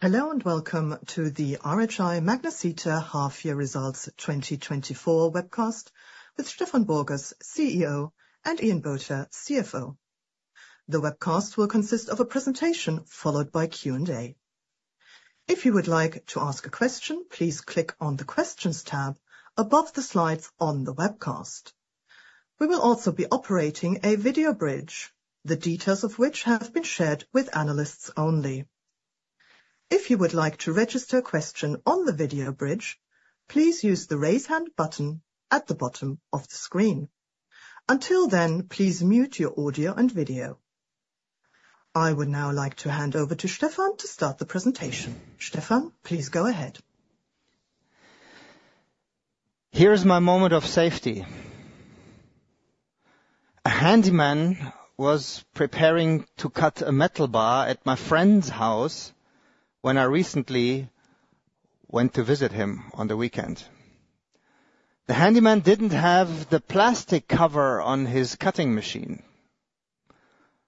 Hello and welcome to the RHI Magnesita Half-Year Results 2024 webcast with Stefan Borgas, CEO, and Ian Botha, CFO. The webcast will consist of a presentation followed by Q&A. If you would like to ask a question, please click on the Questions tab above the slides on the webcast. We will also be operating a video bridge, the details of which have been shared with analysts only. If you would like to register a question on the video bridge, please use the raise hand button at the bottom of the screen. Until then, please mute your audio and video. I would now like to hand over to Stefan to start the presentation. Stefan, please go ahead. Here is my moment of safety. A handyman was preparing to cut a metal bar at my friend's house when I recently went to visit him on the weekend. The handyman didn't have the plastic cover on his cutting machine.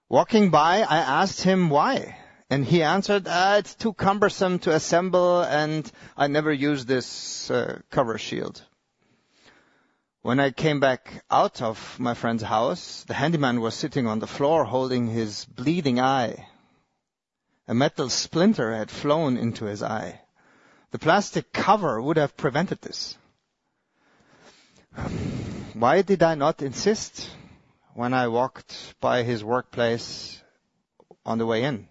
Walking by, I asked him why, and he answered, "It's too cumbersome to assemble, and I never use this cover shield." When I came back out of my friend's house, the handyman was sitting on the floor holding his bleeding eye. A metal splinter had flown into his eye. The plastic cover would have prevented this. Why did I not insist when I walked by his workplace on the way in?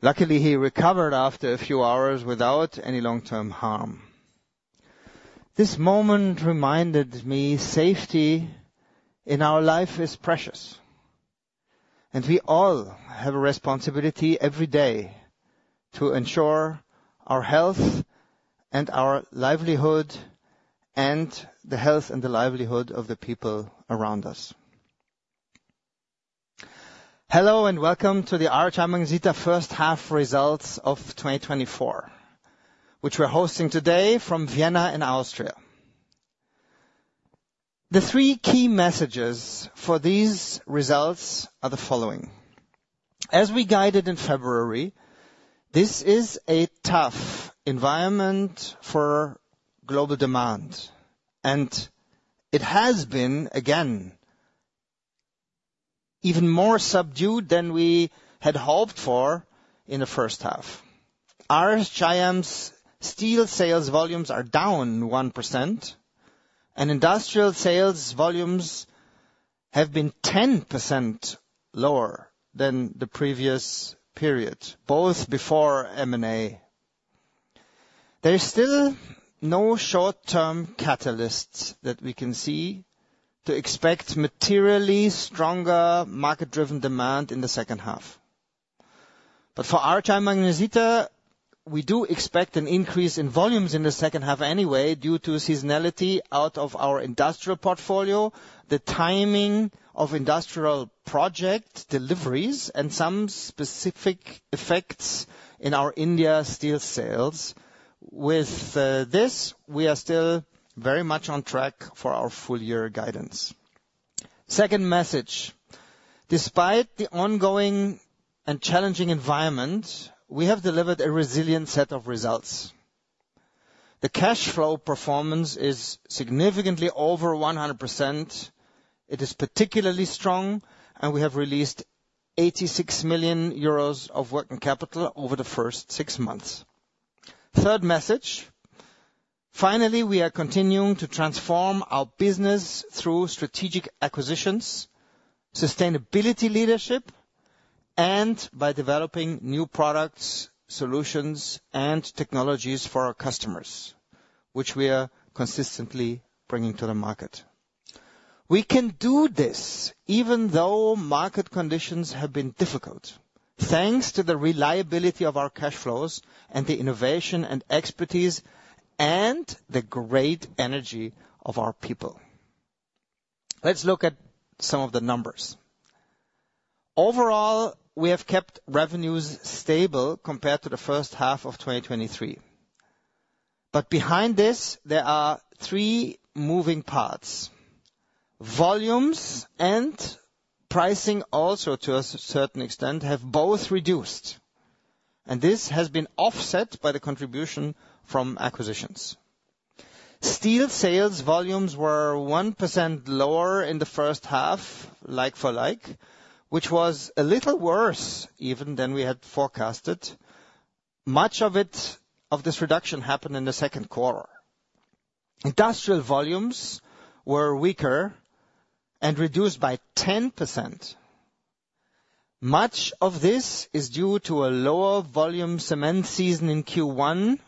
Luckily, he recovered after a few hours without any long-term harm. This moment reminded me safety in our life is precious, and we all have a responsibility every day to ensure our health and our livelihood and the health and the livelihood of the people around us. Hello and welcome to the RHI Magnesita First Half Results of 2024, which we're hosting today from Vienna in Austria. The 3 key messages for these results are the following. As we guided in February, this is a tough environment for global demand, and it has been again even more subdued than we had hoped for in the first half. RHI's steel sales volumes are down 1%, and industrial sales volumes have been 10% lower than the previous period, both before M&A. There's still no short-term catalysts that we can see to expect materially stronger market-driven demand in the second half. But for RHI Magnesita, we do expect an increase in volumes in the second half anyway due to seasonality out of our industrial portfolio, the timing of industrial project deliveries, and some specific effects in our India steel sales. With this, we are still very much on track for our full-year guidance. Second message, despite the ongoing and challenging environment, we have delivered a resilient set of results. The cash flow performance is significantly over 100%. It is particularly strong, and we have released 86 million euros of working capital over the first six months. Third message, finally, we are continuing to transform our business through strategic acquisitions, sustainability leadership, and by developing new products, solutions, and technologies for our customers, which we are consistently bringing to the market. We can do this even though market conditions have been difficult, thanks to the reliability of our cash flows and the innovation and expertise and the great energy of our people. Let's look at some of the numbers. Overall, we have kept revenues stable compared to the first half of 2023. But behind this, there are three moving parts. Volumes and pricing, also to a certain extent, have both reduced, and this has been offset by the contribution from acquisitions. Steel sales volumes were 1% lower in the first half, like for like, which was a little worse even than we had forecasted. Much of this reduction happened in the Q2. Industrial volumes were weaker and reduced by 10%. Much of this is due to a lower volume cement season in Q1,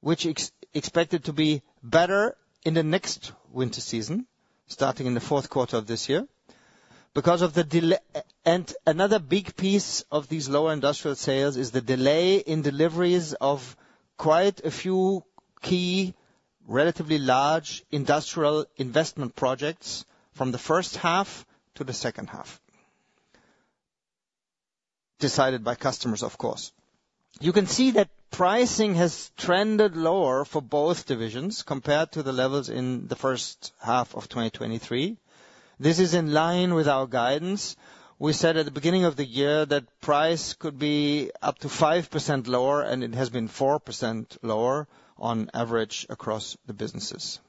which is expected to be better in the next winter season, starting in the Q4 of this year. Because of the delay, and another big piece of these lower industrial sales is the delay in deliveries of quite a few key, relatively large industrial investment projects from the first half to the second half, decided by customers, of course. You can see that pricing has trended lower for both divisions compared to the levels in the first half of 2023. This is in line with our guidance. We said at the beginning of the year that price could be up to 5% lower, and it has been 4% lower on average across the businesses.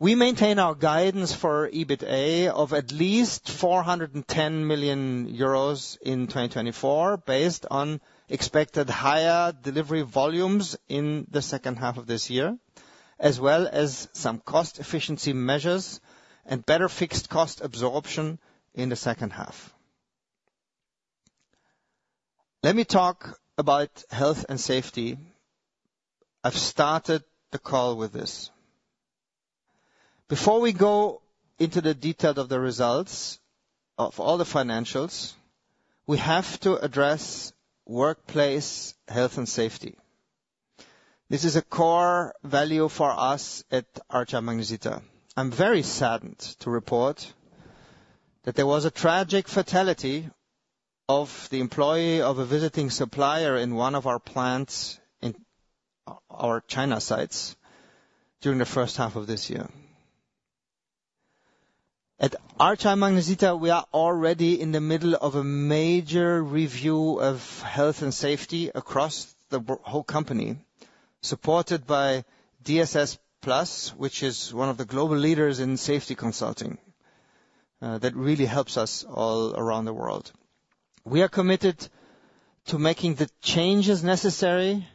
We maintain our guidance for EBITA of at least 410 million euros in 2024, based on expected higher delivery volumes in the second half of this year, as well as some cost efficiency measures and better fixed cost absorption in the second half. Let me talk about health and safety. I've started the call with this. Before we go into the details of the results of all the financials, we have to address workplace health and safety. This is a core value for us at RHI Magnesita. I'm very saddened to report that there was a tragic fatality of the employee of a visiting supplier in one of our plants, our China sites, during the first half of this year. At RHI Magnesita, we are already in the middle of a major review of health and safety across the whole company, supported by DSS Plus, which is one of the global leaders in safety consulting that really helps us all around the world. We are committed to making the changes necessary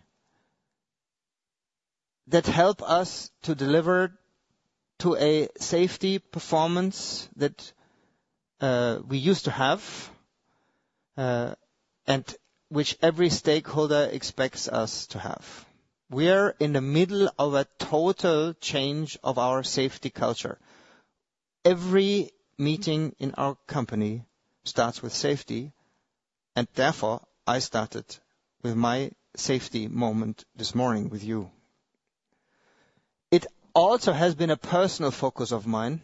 that help us to deliver to a safety performance that we used to have and which every stakeholder expects us to have. We are in the middle of a total change of our safety culture. Every meeting in our company starts with safety, and therefore I started with my safety moment this morning with you. It also has been a personal focus of mine,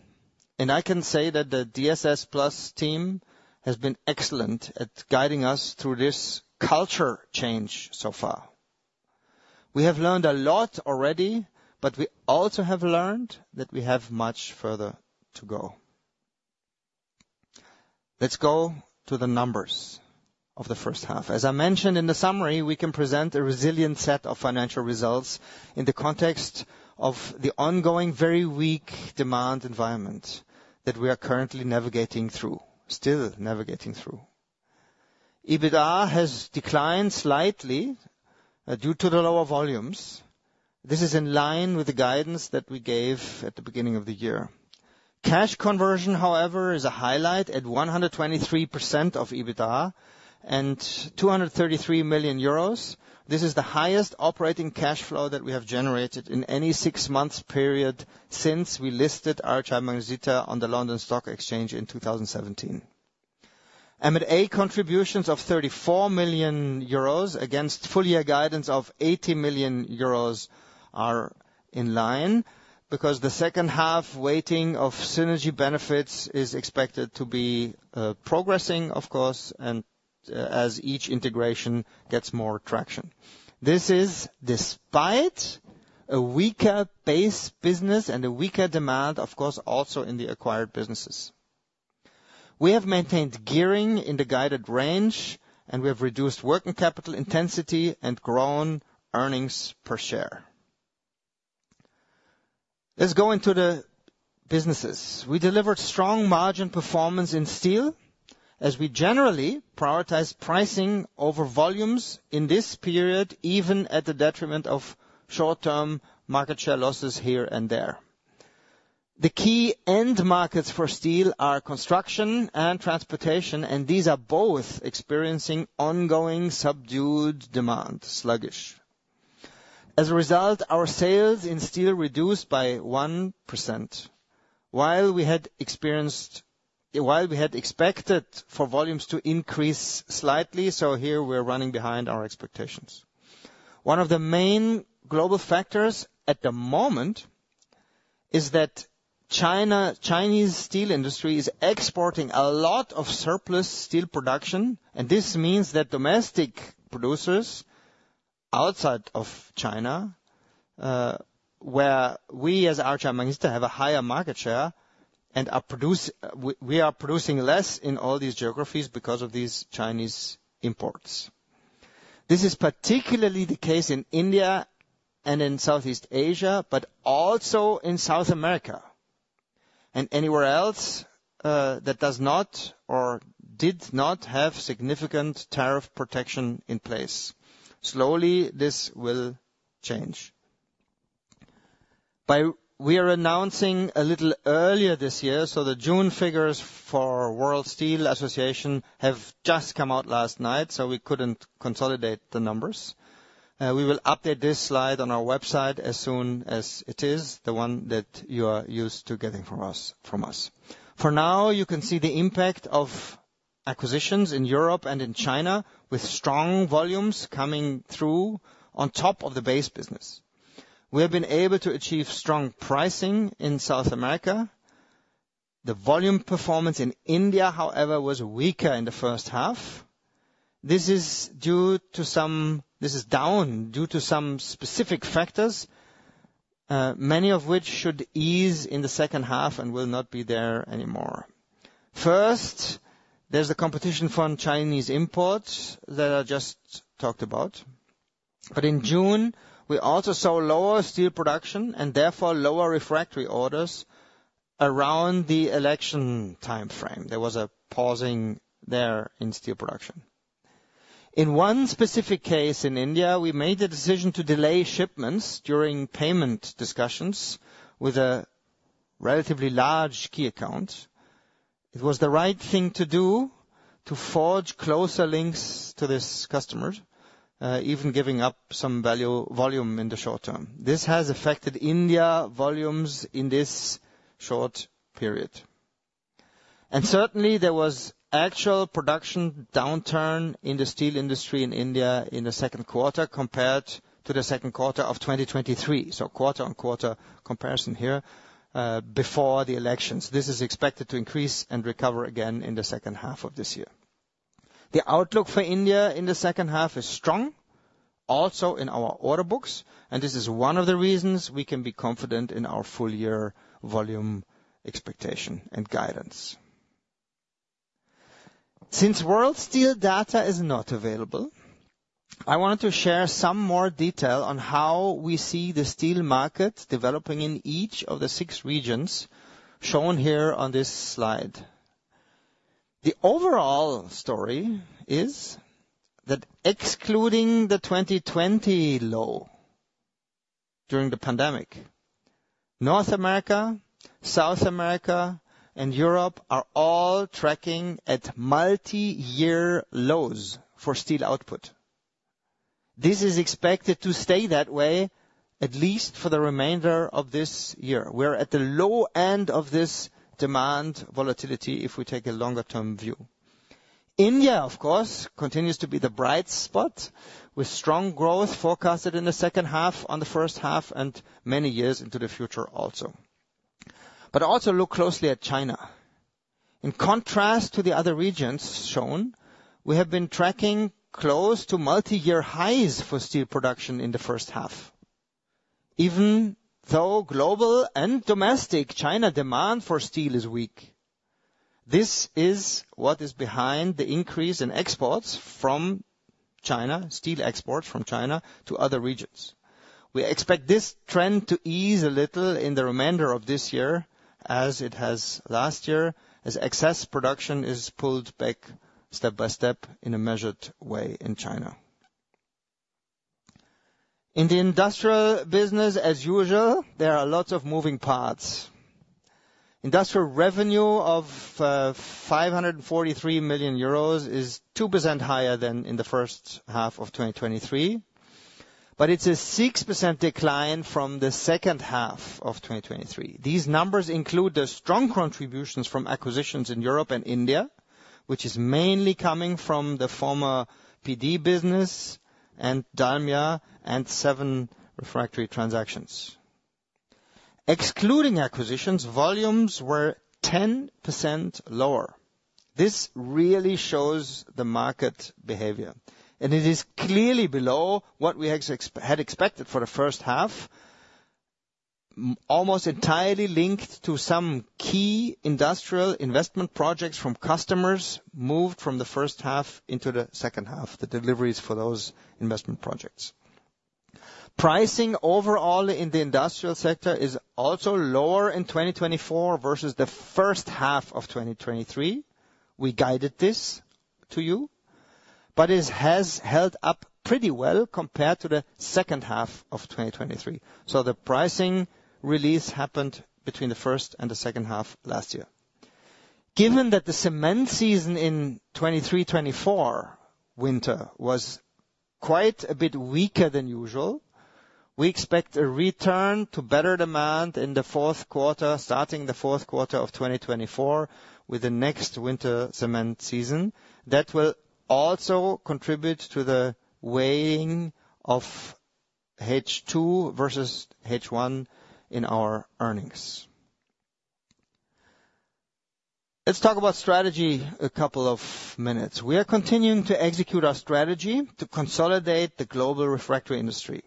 and I can say that the DSS Plus team has been excellent at guiding us through this culture change so far. We have learned a lot already, but we also have learned that we have much further to go. Let's go to the numbers of the first half. As I mentioned in the summary, we can present a resilient set of financial results in the context of the ongoing very weak demand environment that we are currently navigating through, still navigating through. EBITA has declined slightly due to the lower volumes. This is in line with the guidance that we gave at the beginning of the year. Cash conversion, however, is a highlight at 123% of EBITA and 233 million euros. This is the highest operating cash flow that we have generated in any six-month period since we listed RHI Magnesita on the London Stock Exchange in 2017. M&A contributions of 34 million euros against full-year guidance of 80 million euros are in line because the second half weighting of synergy benefits is expected to be progressing, of course, and as each integration gets more traction. This is despite a weaker base business and a weaker demand, of course, also in the acquired businesses. We have maintained gearing in the guided range, and we have reduced working capital intensity and grown earnings per share. Let's go into the businesses. We delivered strong margin performance in steel as we generally prioritize pricing over volumes in this period, even at the detriment of short-term market share losses here and there. The key end markets for steel are construction and transportation, and these are both experiencing ongoing subdued demand, sluggish. As a result, our sales in steel reduced by 1%, while we had expected for volumes to increase slightly. Here we're running behind our expectations. One of the main global factors at the moment is that Chinese steel industry is exporting a lot of surplus steel production, and this means that domestic producers outside of China, where we as RHI Magnesita have a higher market share and we are producing less in all these geographies because of these Chinese imports. This is particularly the case in India and in Southeast Asia, but also in South America and anywhere else that does not or did not have significant tariff protection in place. Slowly, this will change. We are announcing a little earlier this year, so the June figures for World Steel Association have just come out last night, so we couldn't consolidate the numbers. We will update this slide on our website as soon as it is the one that you are used to getting from us. For now, you can see the impact of acquisitions in Europe and in China with strong volumes coming through on top of the base business. We have been able to achieve strong pricing in South America. The volume performance in India, however, was weaker in the first half. This is down due to some specific factors, many of which should ease in the second half and will not be there anymore. First, there's the competition for Chinese imports that I just talked about. But in June, we also saw lower steel production and therefore lower refractory orders around the election timeframe. There was a pausing there in steel production. In one specific case in India, we made the decision to delay shipments during payment discussions with a relatively large key account. It was the right thing to do to forge closer links to these customers, even giving up some volume in the short term. This has affected India volumes in this short period. Certainly, there was actual production downturn in the steel industry in India in the Q2 compared to the Q2 of 2023. Quarter-on-quarter comparison here before the elections. This is expected to increase and recover again in the second half of this year. The outlook for India in the second half is strong, also in our order books, and this is one of the reasons we can be confident in our full-year volume expectation and guidance. Since World Steel data is not available, I wanted to share some more detail on how we see the steel market developing in each of the six regions shown here on this slide. The overall story is that excluding the 2020 low during the pandemic, North America, South America, and Europe are all tracking at multi-year lows for steel output. This is expected to stay that way at least for the remainder of this year. We're at the low end of this demand volatility if we take a longer-term view. India, of course, continues to be the bright spot with strong growth forecasted in the second half, on the first half, and many years into the future also. But also look closely at China. In contrast to the other regions shown, we have been tracking close to multi-year highs for steel production in the first half. Even though global and domestic China demand for steel is weak, this is what is behind the increase in exports from China, steel exports from China to other regions. We expect this trend to ease a little in the remainder of this year as it has last year as excess production is pulled back step by step in a measured way in China. In the industrial business, as usual, there are lots of moving parts. Industrial revenue of 543 million euros is 2% higher than in the first half of 2023, but it's a 6% decline from the second half of 2023. These numbers include the strong contributions from acquisitions in Europe and India, which is mainly coming from the former P-D business and Dalmia and seven fractory transactions. Excluding acquisitions, volumes were 10% lower. This really shows the market behavior, and it is clearly below what we had expected for the first half, almost entirely linked to some key industrial investment projects from customers moved from the first half into the second half, the deliveries for those investment projects. Pricing overall in the industrial sector is also lower in 2024 versus the first half of 2023. We guided this to you, but it has held up pretty well compared to the second half of 2023. So the pricing release happened between the first and the second half last year. Given that the cement season in 2023-2024 winter was quite a bit weaker than usual, we expect a return to better demand in the Q4, starting the Q4 of 2024 with the next winter cement season. That will also contribute to the weighing of H2 versus H1 in our earnings. Let's talk about strategy a couple of minutes. We are continuing to execute our strategy to consolidate the global refractory industry,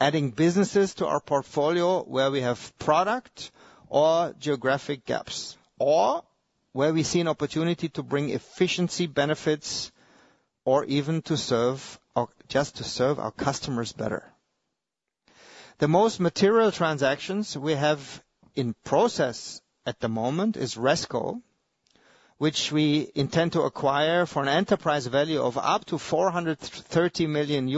adding businesses to our portfolio where we have product or geographic gaps, or where we see an opportunity to bring efficiency benefits or even to serve just to serve our customers better. The most material transactions we have in process at the moment is Resco, which we intend to acquire for an enterprise value of up to $430 million,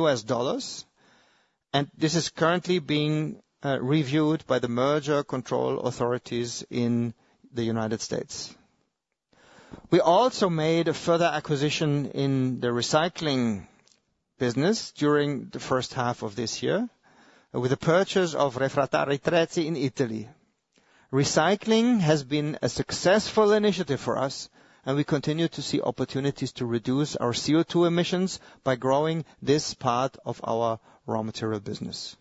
and this is currently being reviewed by the merger control authorities in the United States. We also made a further acquisition in the recycling business during the first half of this year with the purchase of Refrattari Tretti in Italy. Recycling has been a successful initiative for us, and we continue to see opportunities to reduce our CO2 emissions by growing this part of our raw material business.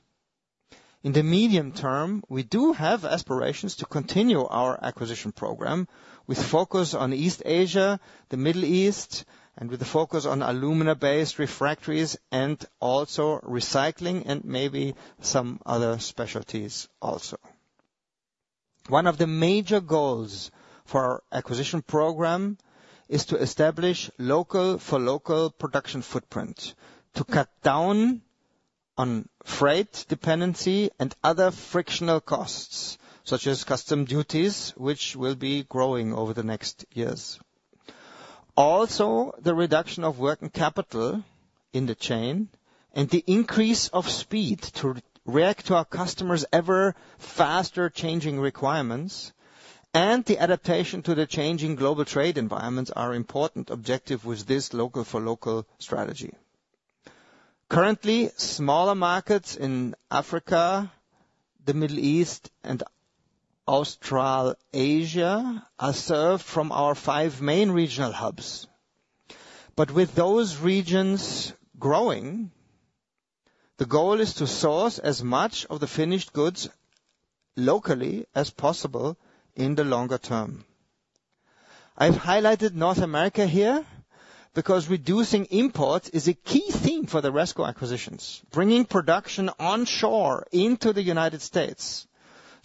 In the medium term, we do have aspirations to continue our acquisition program with focus on East Asia, the Middle East, and with the focus on alumina-based refractories and also recycling and maybe some other specialties also. One of the major goals for our acquisition program is to establish local for local production footprint to cut down on freight dependency and other frictional costs such as customs duties, which will be growing over the next years. Also, the reduction of working capital in the chain and the increase of speed to react to our customers' ever faster changing requirements and the adaptation to the changing global trade environments are important objectives with this local for local strategy. Currently, smaller markets in Africa, the Middle East, and Australasia are served from our five main regional hubs. With those regions growing, the goal is to source as much of the finished goods locally as possible in the longer term. I've highlighted North America here because reducing imports is a key theme for the Resco acquisitions, bringing production onshore into the United States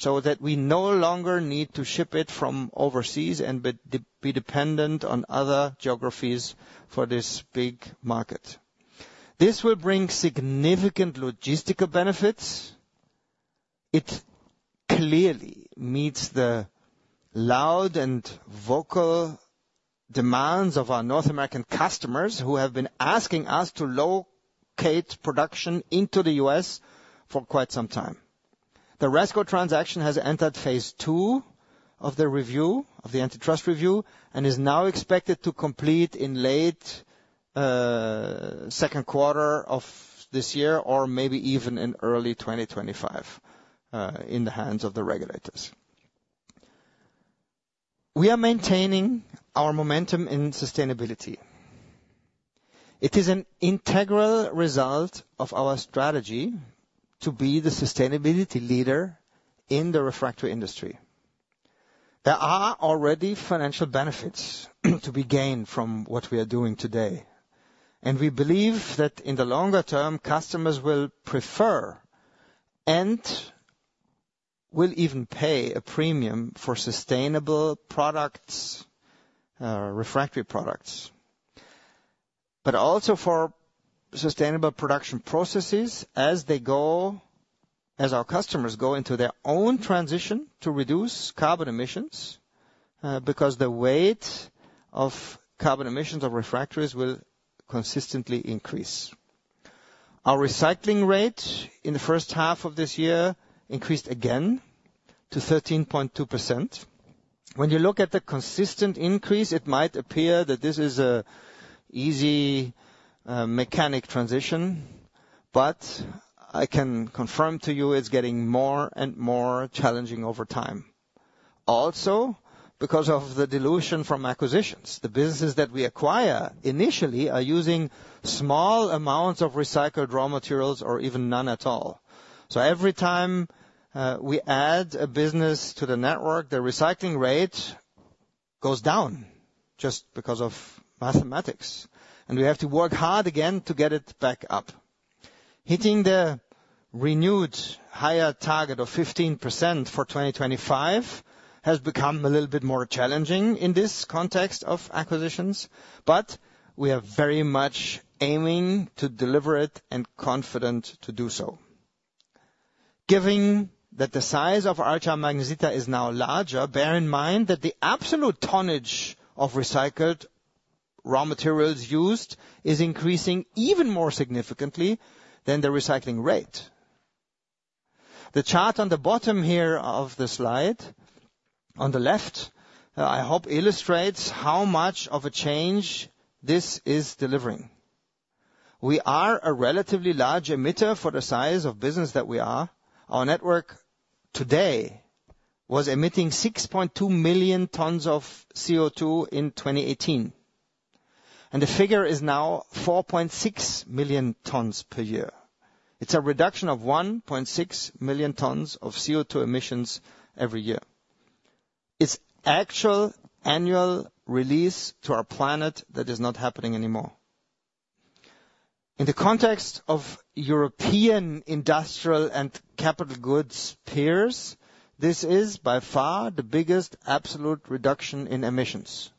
so that we no longer need to ship it from overseas and be dependent on other geographies for this big market. This will bring significant logistical benefits. It clearly meets the loud and vocal demands of our North American customers who have been asking us to locate production into the U.S. for quite some time. The Resco transaction has entered phase two of the review of the antitrust review and is now expected to complete in late Q2 of this year or maybe even in early 2025 in the hands of the regulators. We are maintaining our momentum in sustainability. It is an integral result of our strategy to be the sustainability leader in the refractory industry. There are already financial benefits to be gained from what we are doing today, and we believe that in the longer term, customers will prefer and will even pay a premium for sustainable products, refractory products, but also for sustainable production processes as they go, as our customers go into their own transition to reduce carbon emissions because the weight of carbon emissions of refractories will consistently increase. Our recycling rate in the first half of this year increased again to 13.2%. When you look at the consistent increase, it might appear that this is an easy mechanical transition, but I can confirm to you it's getting more and more challenging over time. Also, because of the dilution from acquisitions, the businesses that we acquire initially are using small amounts of recycled raw materials or even none at all. So every time we add a business to the network, the recycling rate goes down just because of mathematics, and we have to work hard again to get it back up. Hitting the renewed higher target of 15% for 2025 has become a little bit more challenging in this context of acquisitions, but we are very much aiming to deliver it and confident to do so. Given that the size of RHI Magnesita is now larger, bear in mind that the absolute tonnage of recycled raw materials used is increasing even more significantly than the recycling rate. The chart on the bottom here of the slide on the left, I hope illustrates how much of a change this is delivering. We are a relatively large emitter for the size of business that we are. Our network today was emitting 6.2 million tons of CO2 in 2018, and the figure is now 4.6 million tons per year. It's a reduction of 1.6 million tons of CO2 emissions every year. It's actual annual release to our planet that is not happening anymore. In the context of European industrial and capital goods peers, this is by far the biggest absolute reduction in emissions,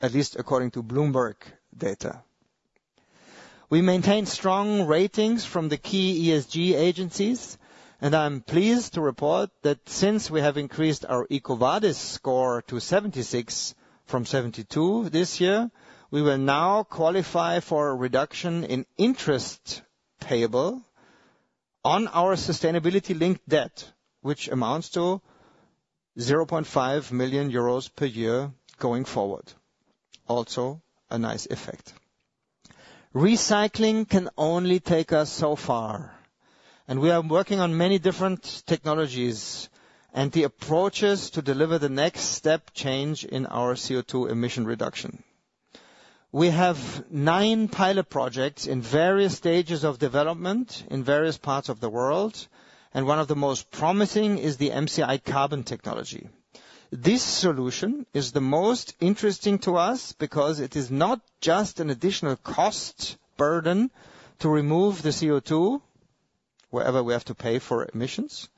at least according to Bloomberg data. We maintain strong ratings from the key ESG agencies, and I'm pleased to report that since we have increased our EcoVadis score to 76 from 72 this year, we will now qualify for a reduction in interest payable on our sustainability-linked debt, which amounts to 0.5 million euros per year going forward. Also, a nice effect. Recycling can only take us so far, and we are working on many different technologies and the approaches to deliver the next step change in our CO2 emission reduction. We have nine pilot projects in various stages of development in various parts of the world, and one of the most promising is the MCI Carbon technology. This solution is the most interesting to us because it is not just an additional cost burden to remove the CO2 wherever we have to pay for emissions,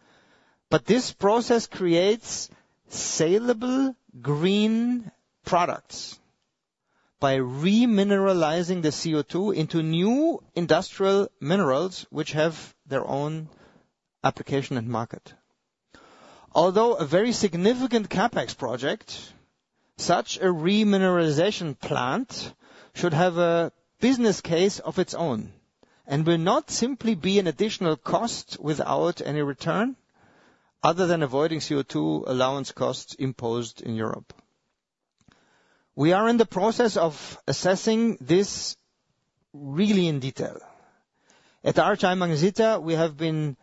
but this process creates salable green products by remineralizing the CO2 into new industrial minerals, which have their own application and market. Although a very significant CapEx project, such a remineralization plant should have a business case of its own and will not simply be an additional cost without any return other than avoiding CO2 allowance costs imposed in Europe. We are in the process of assessing this really in detail. At RHI Magnesita, we have been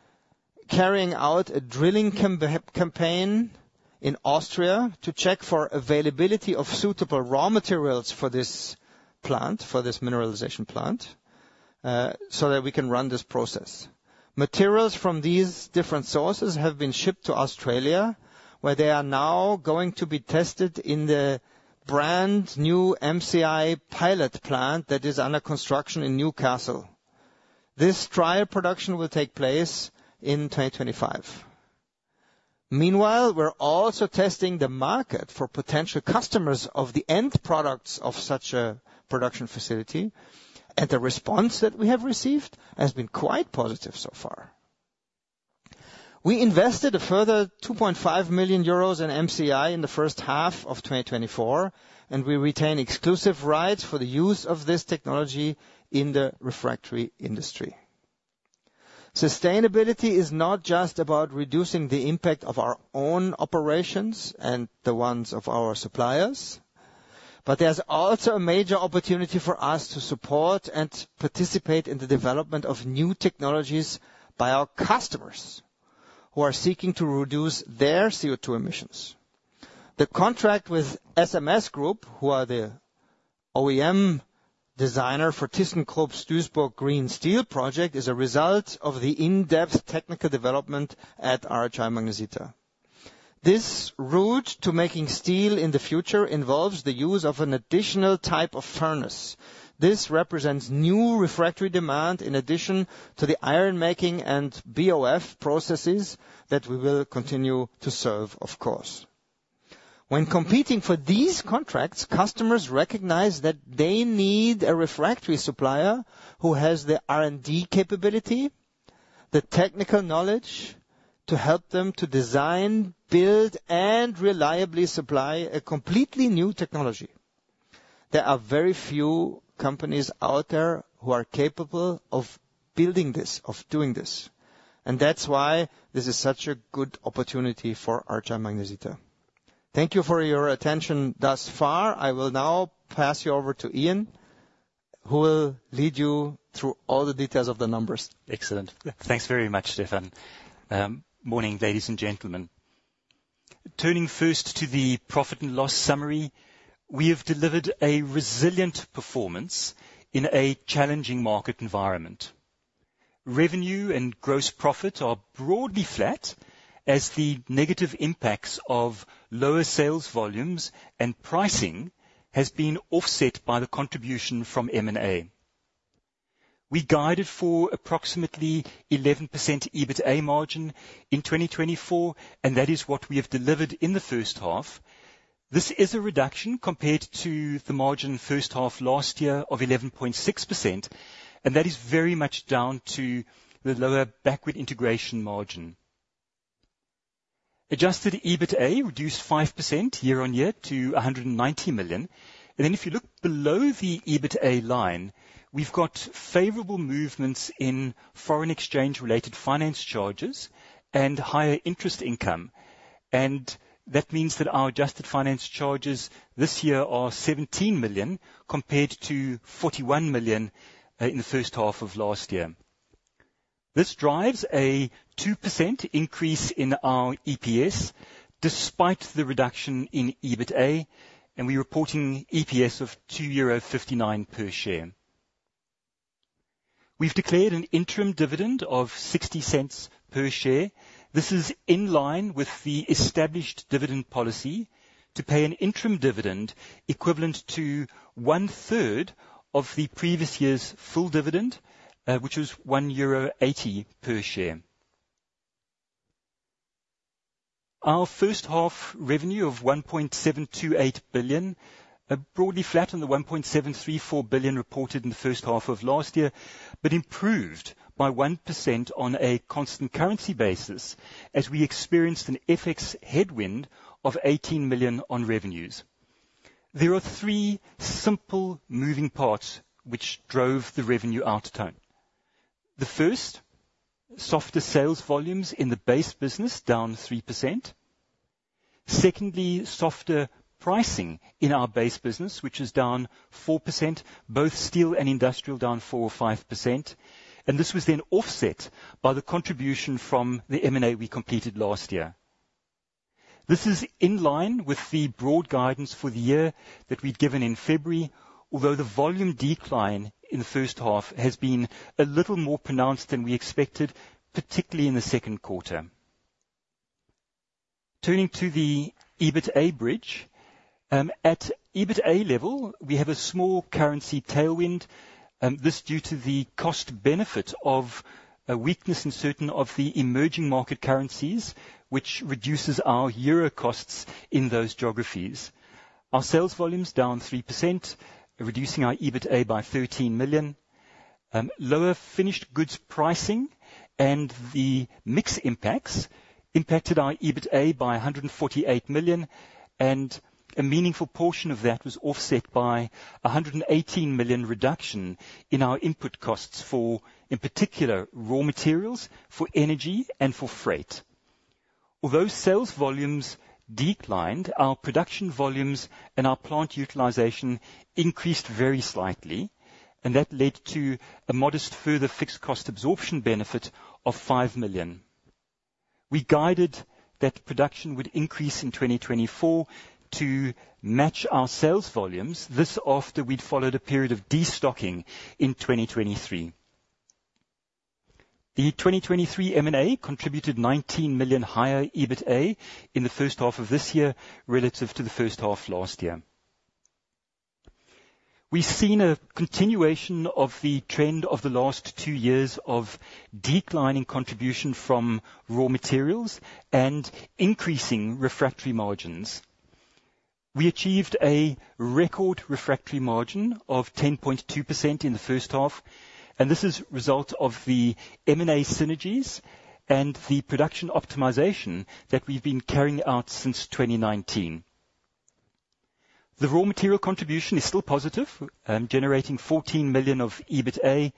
carrying out a drilling campaign in Austria to check for availability of suitable raw materials for this plant, for this mineralization plant, so that we can run this process. Materials from these different sources have been shipped to Australia, where they are now going to be tested in the brand new MCI pilot plant that is under construction in Newcastle. This trial production will take place in 2025. Meanwhile, we're also testing the market for potential customers of the end products of such a production facility, and the response that we have received has been quite positive so far. We invested a further 2.5 million euros in MCI in the first half of 2024, and we retain exclusive rights for the use of this technology in the refractory industry. Sustainability is not just about reducing the impact of our own operations and the ones of our suppliers, but there's also a major opportunity for us to support and participate in the development of new technologies by our customers who are seeking to reduce their CO2 emissions. The contract with SMS group, who are the OEM designer for thyssenkrupp Duisburg green steel project, is a result of the in-depth technical development at RHI Magnesita. This route to making steel in the future involves the use of an additional type of furnace. This represents new refractory demand in addition to the iron-making and BOF processes that we will continue to serve, of course. When competing for these contracts, customers recognize that they need a refractory supplier who has the R&D capability, the technical knowledge to help them to design, build, and reliably supply a completely new technology. There are very few companies out there who are capable of building this, of doing this, and that's why this is such a good opportunity for RHI Magnesita. Thank you for your attention thus far. I will now pass you over to Ian, who will lead you through all the details of the numbers. Excellent. Thanks very much, Stefan. Morning, ladies and gentlemen. Turning first to the profit and loss summary, we have delivered a resilient performance in a challenging market environment. Revenue and gross profit are broadly flat as the negative impacts of lower sales volumes and pricing have been offset by the contribution from M&A. We guided for approximately 11% EBITA margin in 2024, and that is what we have delivered in the first half. This is a reduction compared to the margin first half last year of 11.6%, and that is very much down to the lower backward integration margin. Adjusted EBITA reduced 5% year-on-year to 190 million. And then if you look below the EBITA line, we've got favorable movements in foreign exchange-related finance charges and higher interest income. And that means that our adjusted finance charges this year are 17 million compared to 41 million in the first half of last year. This drives a 2% increase in our EPS despite the reduction in EBITA, and we're reporting EPS of €2.59 per share. We've declared an interim dividend of €0.60 per share. This is in line with the established dividend policy to pay an interim dividend equivalent to one-third of the previous year's full dividend, which was €1.80 per share. Our first half revenue of 1.728 billion broadly flat on the 1.734 billion reported in the first half of last year, but improved by 1% on a constant currency basis as we experienced an FX headwind of 18 million on revenues. There are three simple moving parts which drove the revenue out of town. The first, softer sales volumes in the base business down 3%. Secondly, softer pricing in our base business, which is down 4%, both steel and industrial down 4%-5%. And this was then offset by the contribution from the M&A we completed last year. This is in line with the broad guidance for the year that we'd given in February, although the volume decline in the first half has been a little more pronounced than we expected, particularly in the Q2. Turning to the EBITA bridge, at EBITA level, we have a small currency tailwind. This is due to the cost-benefit of a weakness in certain of the emerging market currencies, which reduces our euro costs in those geographies. Our sales volumes down 3%, reducing our EBITA by -13 million. Lower finished goods pricing and the mixed impacts impacted our EBITA by -148 million, and a meaningful portion of that was offset by a +118 million reduction in our input costs for, in particular, raw materials for energy and for freight. Although sales volumes declined, our production volumes and our plant utilization increased very slightly, and that led to a modest further fixed cost absorption benefit of +5 million. We guided that production would increase in 2024 to match our sales volumes. This after we'd followed a period of destocking in 2023. The 2023 M&A contributed 19 million higher EBITA in the first half of this year relative to the first half last year. We've seen a continuation of the trend of the last two years of declining contribution from raw materials and increasing refractory margins. We achieved a record refractory margin of 10.2% in the first half, and this is the result of the M&A synergies and the production optimization that we've been carrying out since 2019. The raw material contribution is still positive, generating 14 million of EBITA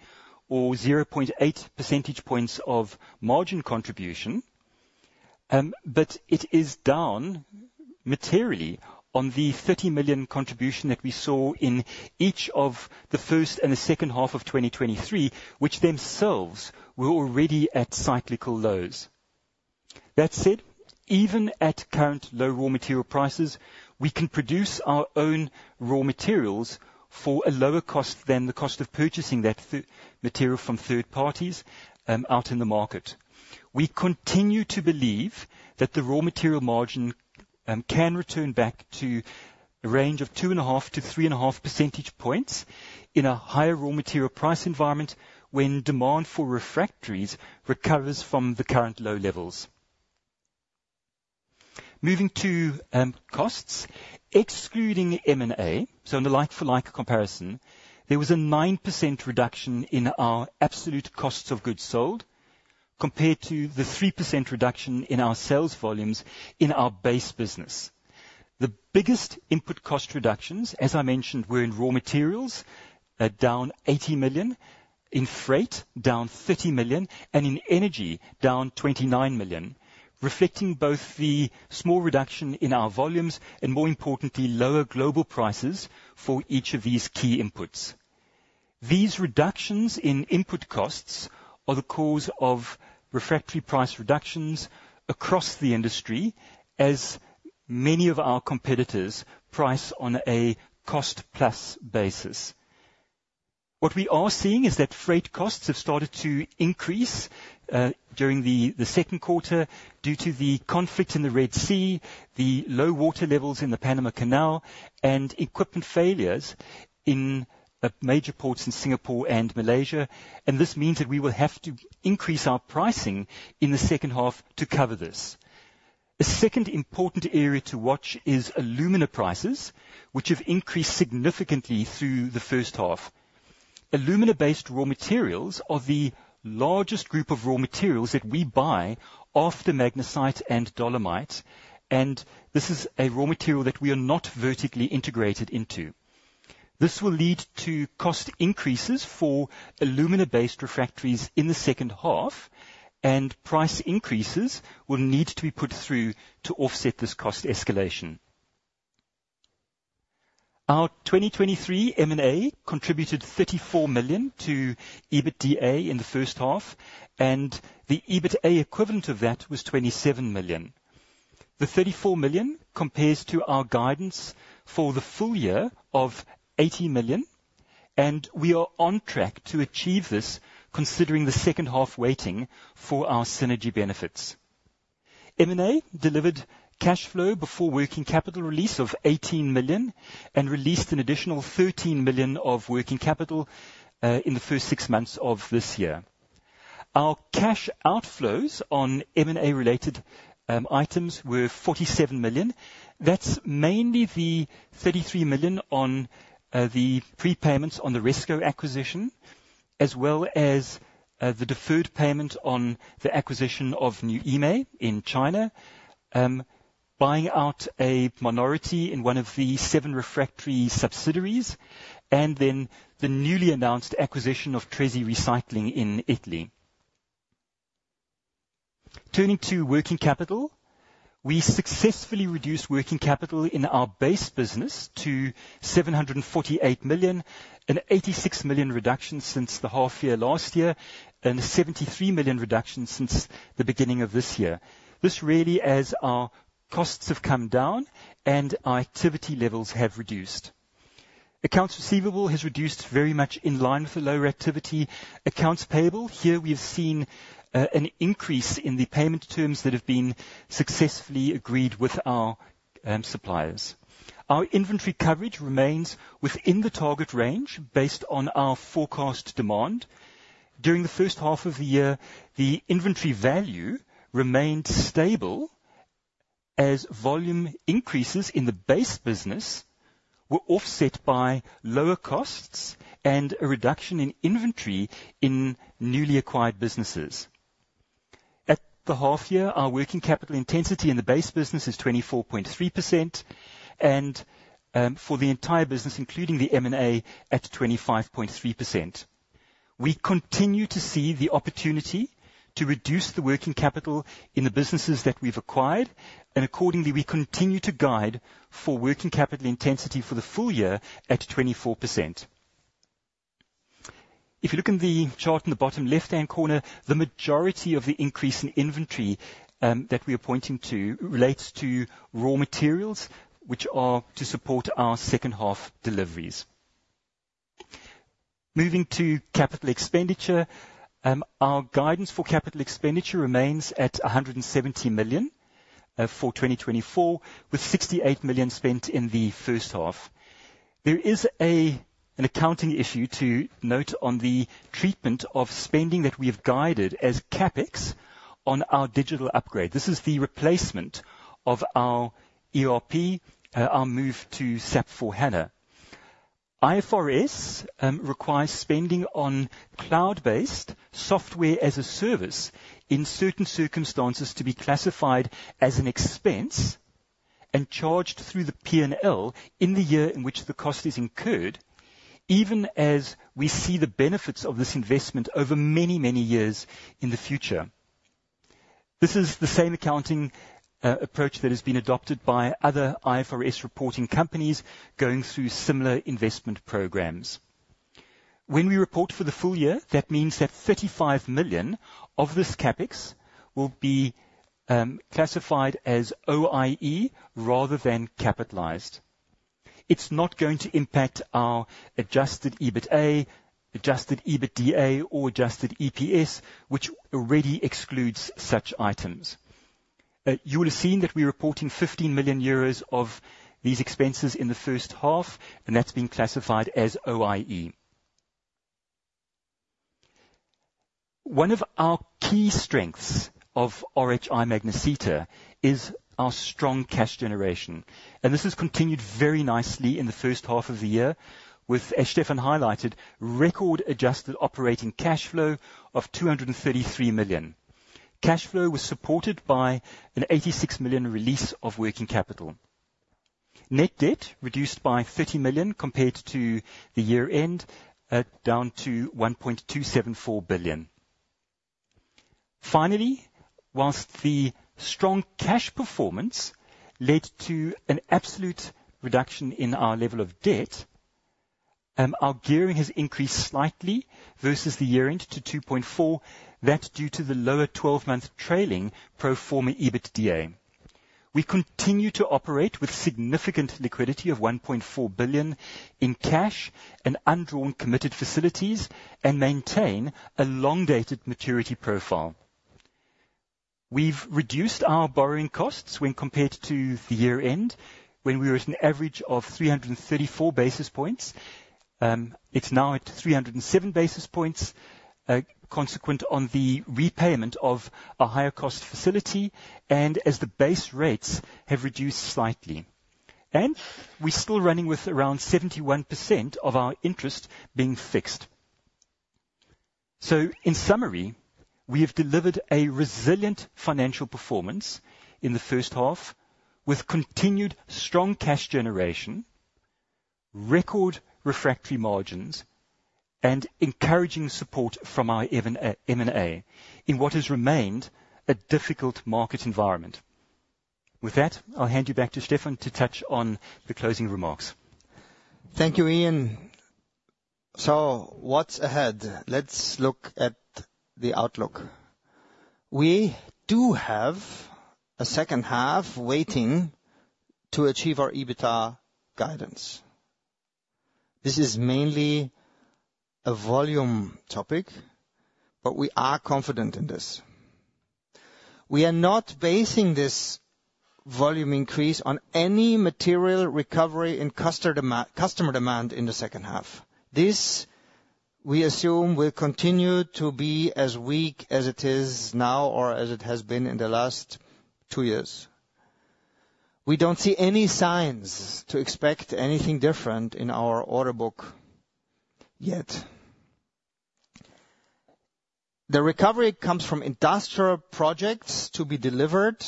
or 0.8 percentage points of margin contribution, but it is down materially on the 30 million contribution that we saw in each of the first and the second half of 2023, which themselves were already at cyclical lows. That said, even at current low raw material prices, we can produce our own raw materials for a lower cost than the cost of purchasing that material from third parties out in the market. We continue to believe that the raw material margin can return back to a range of 2.5-3.5 percentage points in a higher raw material price environment when demand for refractories recovers from the current low levels. Moving to costs, excluding M&A, so in the like-for-like comparison, there was a 9% reduction in our absolute costs of goods sold compared to the 3% reduction in our sales volumes in our base business. The biggest input cost reductions, as I mentioned, were in raw materials, down 80 million, in freight, down 30 million, and in energy, down 29 million, reflecting both the small reduction in our volumes and, more importantly, lower global prices for each of these key inputs. These reductions in input costs are the cause of refractory price reductions across the industry, as many of our competitors price on a cost-plus basis. What we are seeing is that freight costs have started to increase during the Q2 due to the conflict in the Red Sea, the low water levels in the Panama Canal, and equipment failures in major ports in Singapore and Malaysia. This means that we will have to increase our pricing in the second half to cover this. A second important area to watch is alumina prices, which have increased significantly through the first half. Alumina-based raw materials are the largest group of raw materials that we buy after magnesite and dolomite, and this is a raw material that we are not vertically integrated into. This will lead to cost increases for alumina-based refractories in the second half, and price increases will need to be put through to offset this cost escalation. Our 2023 M&A contributed 34 million to EBITDA in the first half, and the EBITA equivalent of that was 27 million. The 34 million compares to our guidance for the full year of 80 million, and we are on track to achieve this considering the second half waiting for our synergy benefits. M&A delivered cash flow before working capital release of 18 million and released an additional 13 million of working capital in the first six months of this year. Our cash outflows on M&A-related items were 47 million. That's mainly the 33 million on the prepayments on the Resco acquisition, as well as the deferred payment on the acquisition of New Emei in China, buying out a minority in one of the seven refractory subsidiaries, and then the newly announced acquisition of Refrattari Tretti in Italy. Turning to working capital, we successfully reduced working capital in our base business to 748 million, an 86 million reduction since the half year last year, and a 73 million reduction since the beginning of this year. This really as our costs have come down and our activity levels have reduced. Accounts receivable has reduced very much in line with the lower activity. Accounts payable, here we've seen an increase in the payment terms that have been successfully agreed with our suppliers. Our inventory coverage remains within the target range based on our forecast demand. During the first half of the year, the inventory value remained stable as volume increases in the base business were offset by lower costs and a reduction in inventory in newly acquired businesses. At the half year, our working capital intensity in the base business is 24.3%, and for the entire business, including the M&A, at 25.3%. We continue to see the opportunity to reduce the working capital in the businesses that we've acquired, and accordingly, we continue to guide for working capital intensity for the full year at 24%. If you look in the chart in the bottom left-hand corner, the majority of the increase in inventory that we are pointing to relates to raw materials, which are to support our second half deliveries. Moving to capital expenditure, our guidance for capital expenditure remains at 170 million for 2024, with 68 million spent in the first half. There is an accounting issue to note on the treatment of spending that we have guided as CAPEX on our digital upgrade. This is the replacement of our ERP, our move to SAP S/4HANA. IFRS requires spending on cloud-based software as a service in certain circumstances to be classified as an expense and charged through the P&L in the year in which the cost is incurred, even as we see the benefits of this investment over many, many years in the future. This is the same accounting approach that has been adopted by other IFRS reporting companies going through similar investment programs. When we report for the full year, that means that 35 million of this CAPEX will be classified as OIE rather than capitalized. It's not going to impact our adjusted EBITA, adjusted EBITDA, or adjusted EPS, which already excludes such items. You will have seen that we're reporting 15 million euros of these expenses in the first half, and that's been classified as OIE. One of our key strengths of RHI Magnesita is our strong cash generation, and this has continued very nicely in the first half of the year, with, as Stefan highlighted, record adjusted operating cash flow of 233 million. Cash flow was supported by an 86 million release of working capital. Net debt reduced by 30 million compared to the year-end, down to 1.274 billion. Finally, while the strong cash performance led to an absolute reduction in our level of debt, our gearing has increased slightly versus the year-end to 2.4, that due to the lower 12-month trailing pro forma EBITDA. We continue to operate with significant liquidity of 1.4 billion in cash and undrawn committed facilities and maintain a long-dated maturity profile. We've reduced our borrowing costs when compared to the year-end, when we were at an average of 334 basis points. It's now at 307 basis points, consequent on the repayment of a higher cost facility and as the base rates have reduced slightly. And we're still running with around 71% of our interest being fixed. So, in summary, we have delivered a resilient financial performance in the first half with continued strong cash generation, record refractory margins, and encouraging support from our M&A in what has remained a difficult market environment. With that, I'll hand you back to Stefan to touch on the closing remarks. Thank you, Ian. So, what's ahead? Let's look at the outlook. We do have a second half waiting to achieve our EBITA guidance. This is mainly a volume topic, but we are confident in this. We are not basing this volume increase on any material recovery in customer demand in the second half. This, we assume, will continue to be as weak as it is now or as it has been in the last two years. We don't see any signs to expect anything different in our order book yet. The recovery comes from industrial projects to be delivered,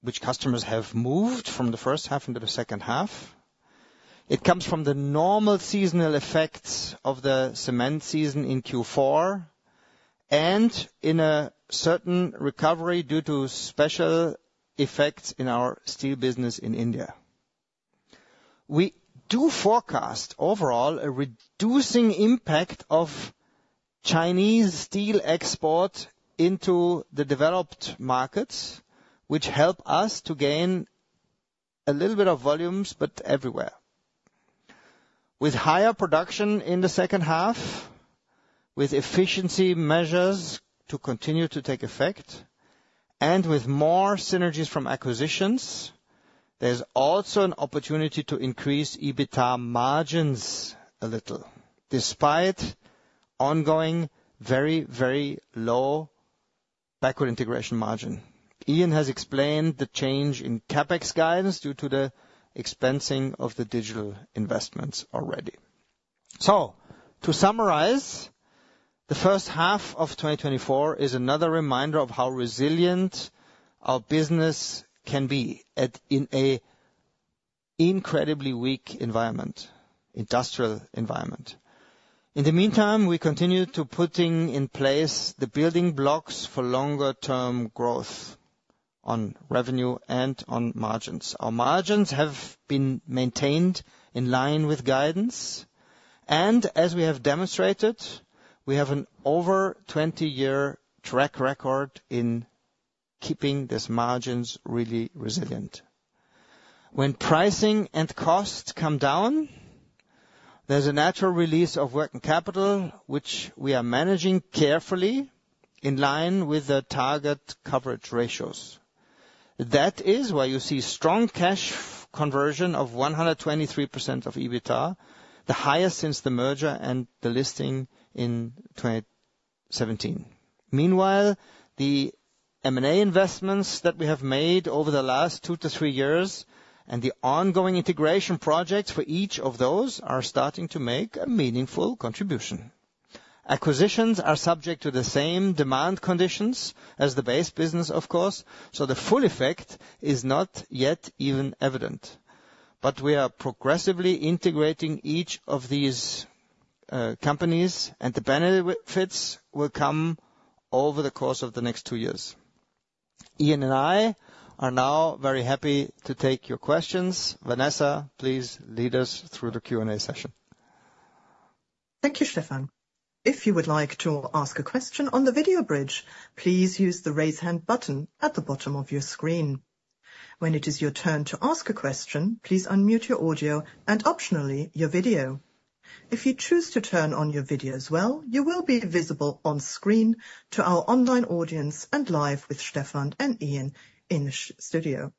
which customers have moved from the first half into the second half. It comes from the normal seasonal effects of the cement season in Q4 and in a certain recovery due to special effects in our steel business in India. We do forecast overall a reducing impact of Chinese steel export into the developed markets, which help us to gain a little bit of volumes, but everywhere. With higher production in the second half, with efficiency measures to continue to take effect, and with more synergies from acquisitions, there's also an opportunity to increase EBITA margins a little, despite ongoing very, very low backward integration margin. Ian has explained the change in CAPEX guidance due to the expensing of the digital investments already. So, to summarize, the first half of 2024 is another reminder of how resilient our business can be in an incredibly weak environment, industrial environment. In the meantime, we continue to put in place the building blocks for longer-term growth on revenue and on margins. Our margins have been maintained in line with guidance, and as we have demonstrated, we have an over 20-year track record in keeping these margins really resilient. When pricing and costs come down, there's a natural release of working capital, which we are managing carefully in line with the target coverage ratios. That is why you see strong cash conversion of 123% of EBITA, the highest since the merger and the listing in 2017. Meanwhile, the M&A investments that we have made over the last 2-3 years and the ongoing integration projects for each of those are starting to make a meaningful contribution. Acquisitions are subject to the same demand conditions as the base business, of course, so the full effect is not yet even evident. But we are progressively integrating each of these companies, and the benefits will come over the course of the next 2 years. Ian and I are now very happy to take your questions. Vanessa, please lead us through the Q&A session. Thank you, Stefan. If you would like to ask a question on the video bridge, please use the raise hand button at the bottom of your screen. When it is your turn to ask a question, please unmute your audio and optionally your video. If you choose to turn on your video as well, you will be visible on screen to our online audience and live with Stefan and Ian in the studio.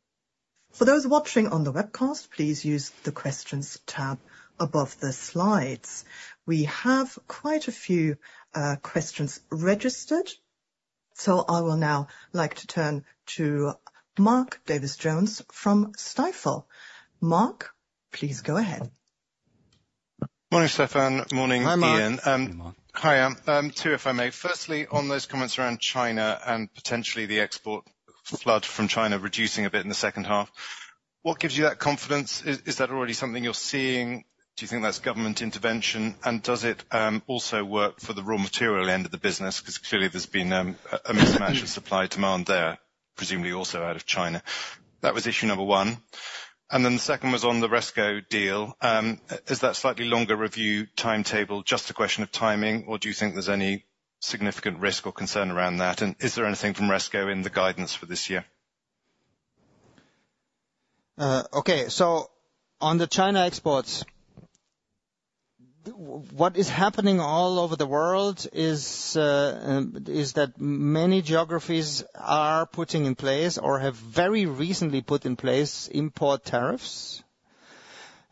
For those watching on the webcast, please use the questions tab above the slides. We have quite a few questions registered, so I will now like to turn to Mark Davies Jones from Stifel. Mark, please go ahead. Morning, Stefan. Morning, Ian. Hi, Mark. Hi, Ian. Two, if I may. Firstly, on those comments around China and potentially the export flood from China reducing a bit in the second half, what gives you that confidence? Is that already something you're seeing? Do you think that's government intervention? And does it also work for the raw material end of the business? Because clearly there's been a mismatch of supply demand there, presumably also out of China. That was issue number one. And then the second was on the Resco deal. Is that slightly longer review timetable just a question of timing, or do you think there's any significant risk or concern around that? And is there anything from Resco in the guidance for this year? Okay, so on the China exports, what is happening all over the world is that many geographies are putting in place or have very recently put in place import tariffs.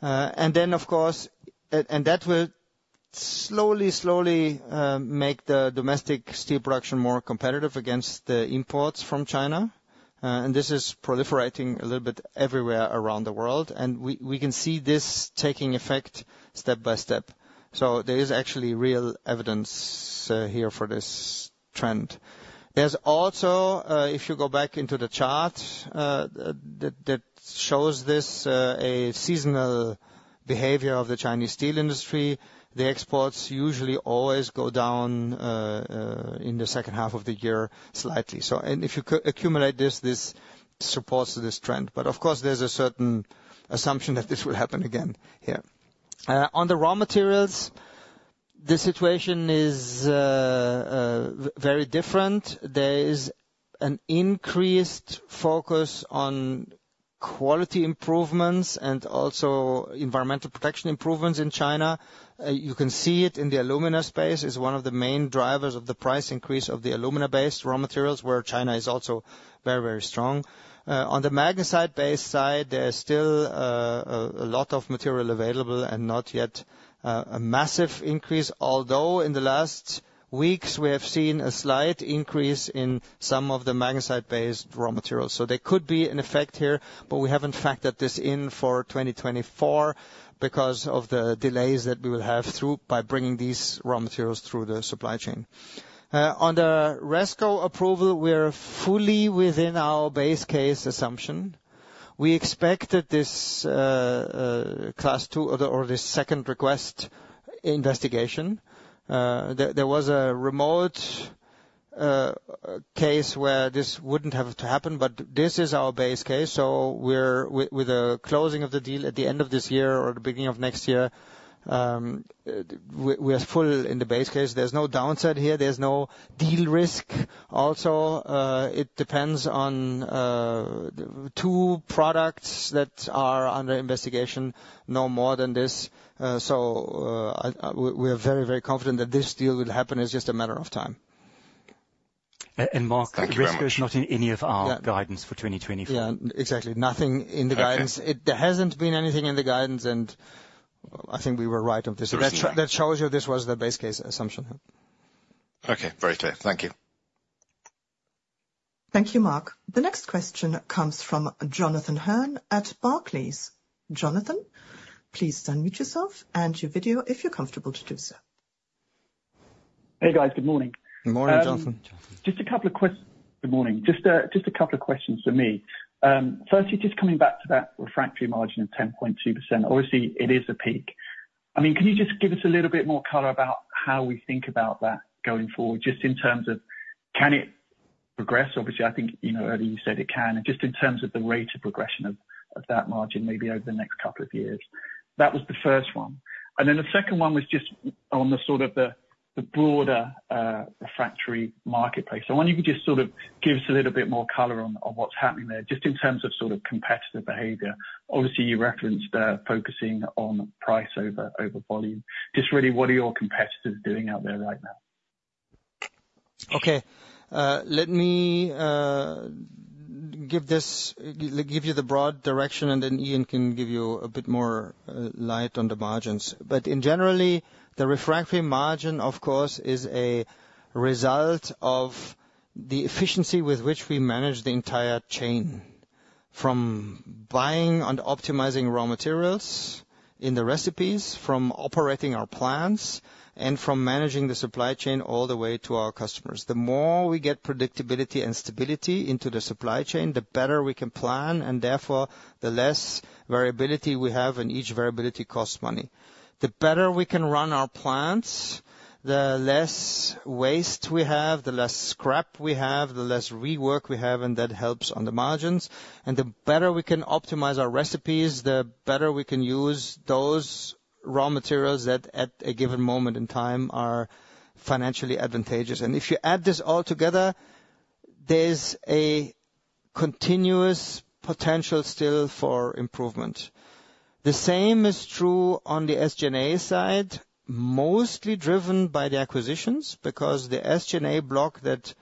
And then, of course, and that will slowly, slowly make the domestic steel production more competitive against the imports from China. And this is proliferating a little bit everywhere around the world, and we can see this taking effect step by step. So there is actually real evidence here for this trend. There's also, if you go back into the chart, that shows this a seasonal behavior of the Chinese steel industry. The exports usually always go down in the second half of the year slightly. So, and if you accumulate this, this supports this trend. But of course, there's a certain assumption that this will happen again here. On the raw materials, the situation is very different. There is an increased focus on quality improvements and also environmental protection improvements in China. You can see it in the alumina space, is one of the main drivers of the price increase of the alumina-based raw materials, where China is also very, very strong. On the magnesite-based side, there's still a lot of material available and not yet a massive increase, although in the last weeks, we have seen a slight increase in some of the magnesite-based raw materials. So there could be an effect here, but we haven't factored this in for 2024 because of the delays that we will have through by bringing these raw materials through the supply chain. On the Resco approval, we are fully within our base case assumption. We expected this class two or this second request investigation. There was a remote case where this wouldn't have to happen, but this is our base case. So we're with a closing of the deal at the end of this year or the beginning of next year. We are full in the base case. There's no downside here. There's no deal risk. Also, it depends on two products that are under investigation, no more than this. So we are very, very confident that this deal will happen. It's just a matter of time. Mark, the risk is not in any of our guidance for 2024. Yeah, exactly. Nothing in the guidance. There hasn't been anything in the guidance, and I think we were right on this issue. That shows you this was the base case assumption. Okay, very clear. Thank you. Thank you, Mark. The next question comes from Jonathan Hearn at Barclays. Jonathan, please unmute yourself and your video if you're comfortable to do so. Hey, guys. Good morning. Good morning, Jonathan. Just a couple of questions. Good morning. Just a couple of questions for me. Firstly, just coming back to that refractory margin of 10.2%, obviously it is a peak. I mean, can you just give us a little bit more color about how we think about that going forward, just in terms of can it progress? Obviously, I think earlier you said it can, and just in terms of the rate of progression of that margin maybe over the next couple of years. That was the first one. And then the second one was just on the sort of the broader refractory marketplace. I want you to just sort of give us a little bit more color on what's happening there, just in terms of sort of competitive behavior. Obviously, you referenced focusing on price over volume. Just really, what are your competitors doing out there right now? Okay, let me give you the broad direction, and then Ian can give you a bit more light on the margins. In general, the refractory margin, of course, is a result of the efficiency with which we manage the entire chain, from buying and optimizing raw materials in the recipes, from operating our plants, and from managing the supply chain all the way to our customers. The more we get predictability and stability into the supply chain, the better we can plan, and therefore, the less variability we have in each variability costs money. The better we can run our plants, the less waste we have, the less scrap we have, the less rework we have, and that helps on the margins. The better we can optimize our recipes, the better we can use those raw materials that at a given moment in time are financially advantageous. And if you add this all together, there's a continuous potential still for improvement. The same is true on the SG&A side, mostly driven by the acquisitions, because the SG&A block that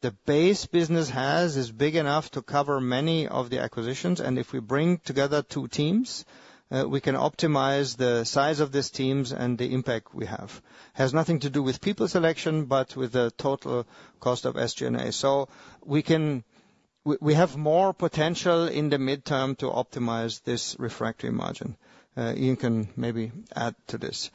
the base business has is big enough to cover many of the acquisitions. And if we bring together two teams, we can optimize the size of these teams and the impact we have. It has nothing to do with people selection, but with the total cost of SG&A. So we have more potential in the midterm to optimize this refractory margin. Ian can maybe add to this.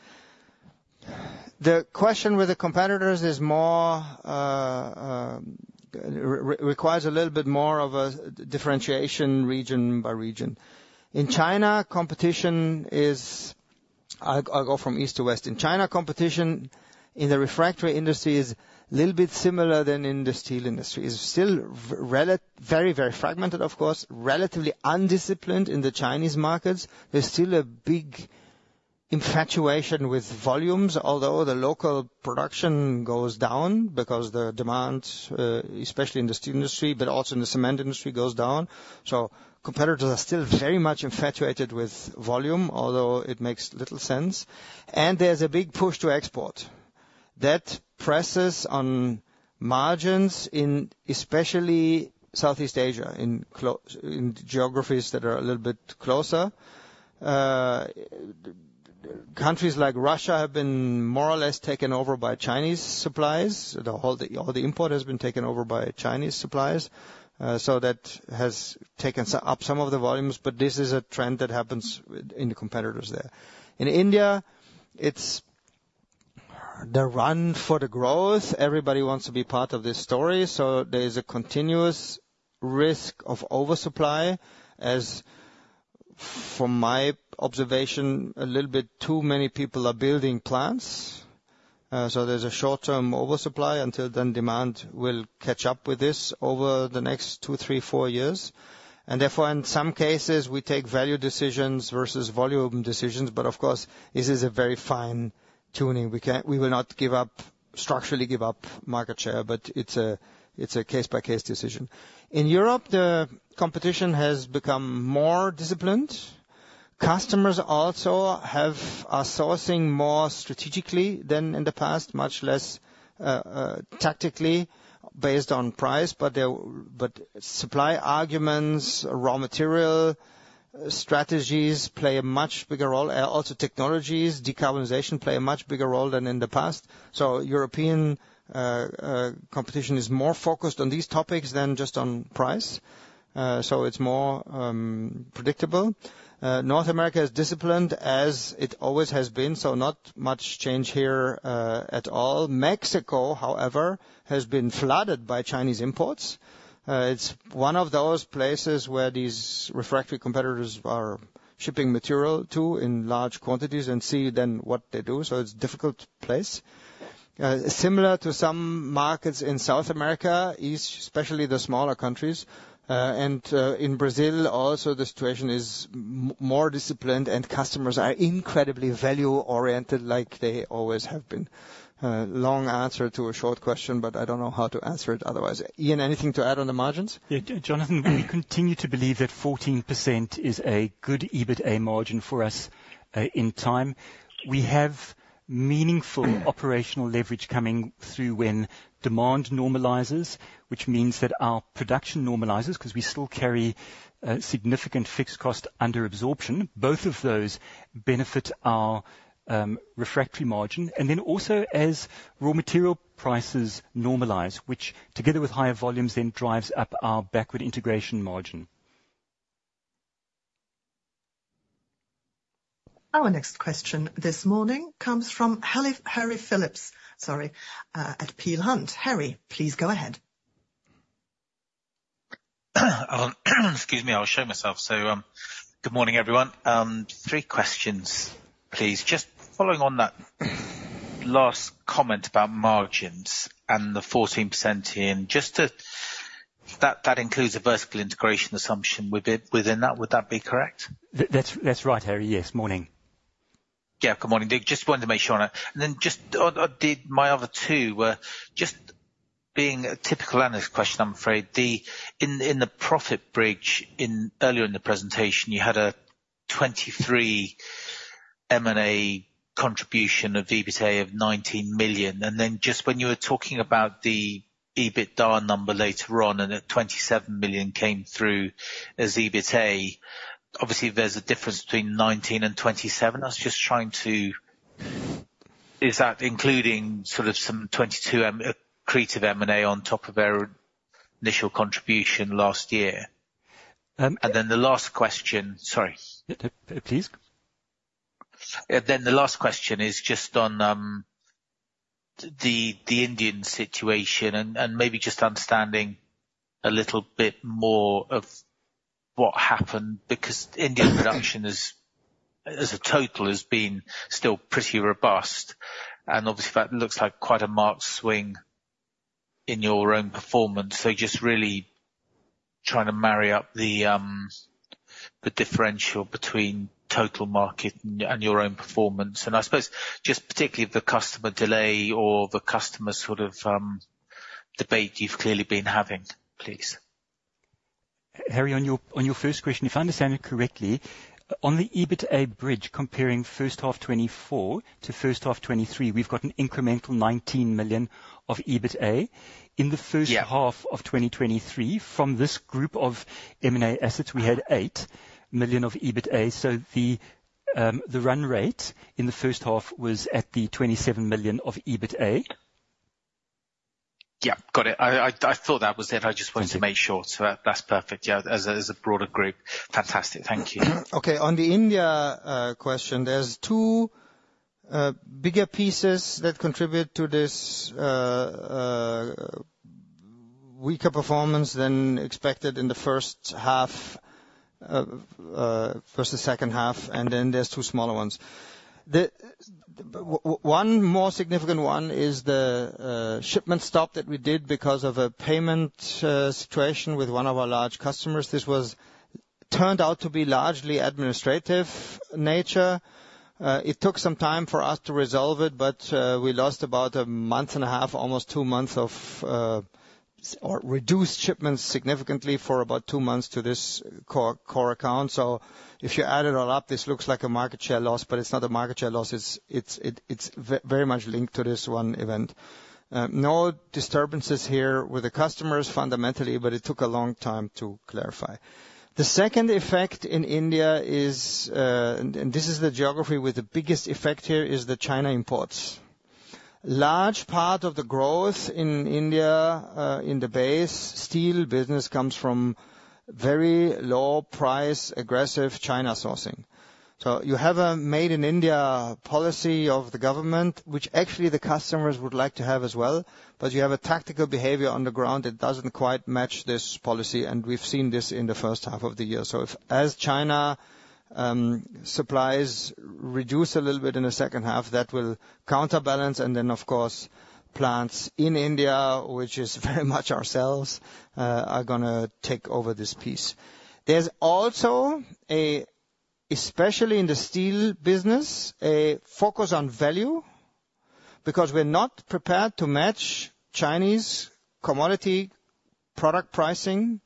The question with the competitors requires a little bit more of a differentiation region by region. In China, competition is, I'll go from east to west. In China, competition in the refractory industry is a little bit similar than in the steel industry. It's still very, very fragmented, of course, relatively undisciplined in the Chinese markets. There's still a big infatuation with volumes, although the local production goes down because the demand, especially in the steel industry, but also in the cement industry, goes down. So competitors are still very much infatuated with volume, although it makes little sense. And there's a big push to export. That presses on margins in especially Southeast Asia, in geographies that are a little bit closer. Countries like Russia have been more or less taken over by Chinese supplies. All the import has been taken over by Chinese supplies. So that has taken up some of the volumes, but this is a trend that happens in the competitors there. In India, it's the run for the growth. Everybody wants to be part of this story. So there is a continuous risk of oversupply. As from my observation, a little bit too many people are building plants. So there's a short-term oversupply until then, demand will catch up with this over the next 2, 3, 4 years. And therefore, in some cases, we take value decisions versus volume decisions. But of course, this is a very fine tuning. We will not structurally give up market share, but it's a case-by-case decision. In Europe, the competition has become more disciplined. Customers also are sourcing more strategically than in the past, much less tactically based on price. But supply arguments, raw material strategies play a much bigger role. Also, technologies, decarbonization play a much bigger role than in the past. So European competition is more focused on these topics than just on price. So it's more predictable. North America is disciplined as it always has been. So not much change here at all. Mexico, however, has been flooded by Chinese imports. It's one of those places where these refractory competitors are shipping material to in large quantities and see then what they do. So it's a difficult place. Similar to some markets in South America, especially the smaller countries. And in Brazil, also the situation is more disciplined and customers are incredibly value-oriented like they always have been. Long answer to a short question, but I don't know how to answer it otherwise. Ian, anything to add on the margins? Yeah, Jonathan, we continue to believe that 14% is a good EBITA margin for us in time. We have meaningful operational leverage coming through when demand normalizes, which means that our production normalizes because we still carry significant fixed cost under absorption. Both of those benefit our refractory margin. And then also as raw material prices normalize, which together with higher volumes then drives up our backward integration margin. Our next question this morning comes from Harry Philips, sorry, at Peel Hunt. Harry, please go ahead. Excuse me, I'll show myself. Good morning, everyone. Three questions, please. Just following on that last comment about margins and the 14% here, just that that includes a vertical integration assumption within that. Would that be correct? That's right, Harry. Yes, morning. Yeah, good morning. Just wanted to make sure on it. And then just my other two, just being a typical analyst question, I'm afraid, in the profit bridge earlier in the presentation, you had a 2023 M&A contribution of EBITA of 19 million. And then just when you were talking about the EBITDA number later on and that 27 million came through as EBITA, obviously there's a difference between 19 and 27. I was just trying to, is that including sort of some 2022 creative M&A on top of their initial contribution last year? And then the last question, sorry. Please. The last question is just on the Indian situation and maybe just understanding a little bit more of what happened because Indian production as a total has been still pretty robust. Obviously, that looks like quite a marked swing in your own performance. Just really trying to marry up the differential between total market and your own performance. I suppose just particularly the customer delay or the customer sort of debate you've clearly been having, please. Harry, on your first question, if I understand it correctly, on the EBITA bridge, comparing first half 2024 to first half 2023, we've got an incremental 19 million of EBITA in the first half of 2023. From this group of M&A assets, we had 8 million of EBITA. So the run rate in the first half was at the 27 million of EBITA. Yeah, got it. I just wanted to make sure. So that's perfect. Yeah, as a broader group. Fantastic. Thank you. Okay, on the India question, there's two bigger pieces that contribute to this weaker performance than expected in the first half versus second half. And then there's two smaller ones. One more significant one is the shipment stop that we did because of a payment situation with one of our large customers. This turned out to be largely administrative nature. It took some time for us to resolve it, but we lost about a month and a half, almost two months of reduced shipments significantly for about two months to this core account. So if you add it all up, this looks like a market share loss, but it's not a market share loss. It's very much linked to this one event. No disturbances here with the customers fundamentally, but it took a long time to clarify. The second effect in India is, and this is the geography with the biggest effect here is the China imports. Large part of the growth in India in the base steel business comes from very low-price, aggressive China sourcing. So you have a Make In India policy of the government, which actually the customers would like to have as well. But you have a tactical behavior on the ground that doesn't quite match this policy. And we've seen this in the first half of the year. So as China supplies reduce a little bit in the second half, that will counterbalance. And then, of course, plants in India, which is very much ourselves, are going to take over this piece. There's also, especially in the steel business, a focus on value because we're not prepared to match Chinese commodity product pricing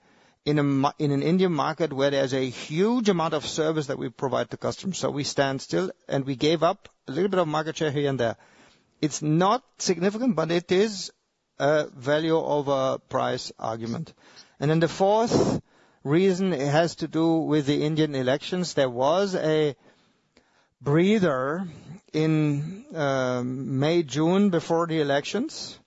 in an Indian market where there's a huge amount of service that we provide to customers. So we stand still and we gave up a little bit of market share here and there. It's not significant, but it is a value-over-price argument. And then the fourth reason has to do with the Indian elections. There was a breather in May, June before the elections.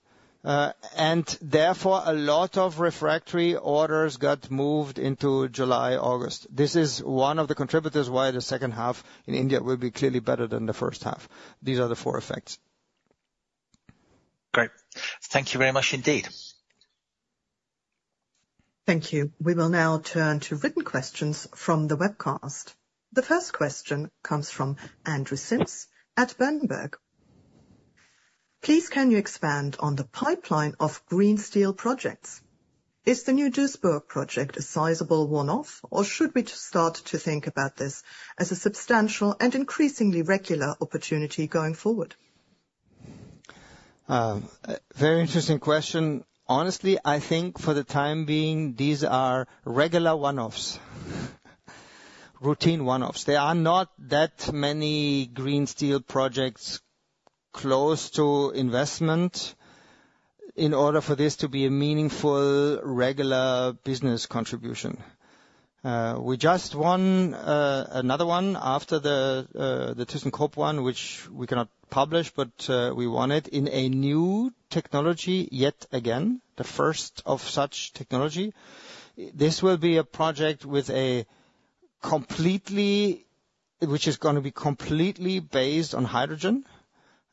And therefore, a lot of refractory orders got moved into July, August. This is one of the contributors why the second half in India will be clearly better than the first half. These are the four effects. Great. Thank you very much indeed. Thank you. We will now turn to written questions from the webcast. The first question comes from Andrew Sims at Berenberg. Please, can you expand on the pipeline of green steel projects? Is the new Duisburg project a sizable one-off, or should we start to think about this as a substantial and increasingly regular opportunity going forward? Very interesting question. Honestly, I think for the time being, these are regular one-offs, routine one-offs. There are not that many green steel projects close to investment in order for this to be a meaningful regular business contribution. We just won another one after the ThyssenKrupp one, which we cannot publish, but we won it in a new technology yet again, the first of such technology. This will be a project with a completely, which is going to be completely based on hydrogen.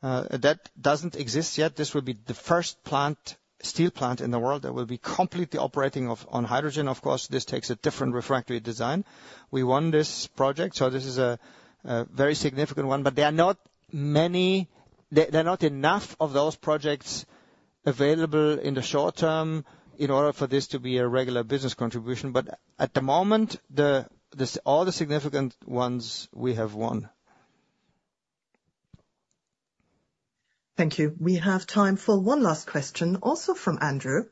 That doesn't exist yet. This will be the first steel plant in the world that will be completely operating on hydrogen. Of course, this takes a different refractory design. We won this project. So this is a very significant one. But there are not many, there are not enough of those projects available in the short term in order for this to be a regular business contribution. But at the moment, all the significant ones we have won. Thank you. We have time for one last question, also from Andrew.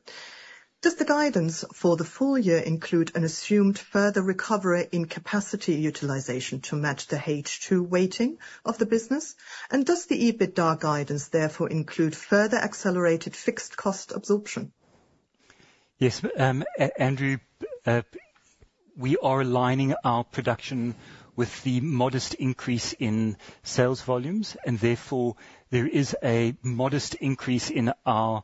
Does the guidance for the full year include an assumed further recovery in capacity utilization to match the H2 weighting of the business? And does the EBITDA guidance therefore include further accelerated fixed cost absorption? Yes, Andrew. We are aligning our production with the modest increase in sales volumes. Therefore, there is a modest increase in our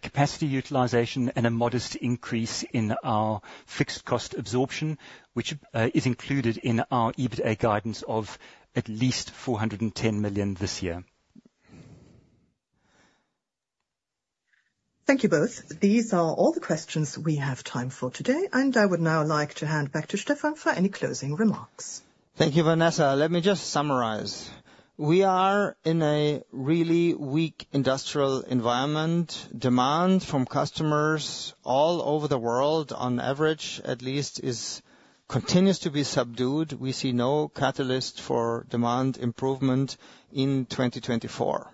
capacity utilization and a modest increase in our fixed cost absorption, which is included in our EBITA guidance of at least 410 million this year. Thank you both. These are all the questions we have time for today. I would now like to hand back to Stefan for any closing remarks. Thank you, Vanessa. Let me just summarize. We are in a really weak industrial environment. Demand from customers all over the world, on average at least, continues to be subdued. We see no catalyst for demand improvement in 2024.